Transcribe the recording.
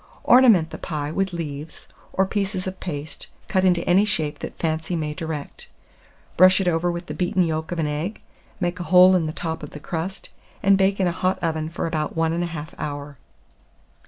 Ornament the pie with leaves, or pieces of paste cut in any shape that fancy may direct, brush it over with the beaten yolk of an egg; make a hole in the top of the crust, and bake in a hot oven for about 1 1/2 hour.